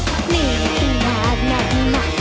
เหนื่อยขึ้นหากนั้น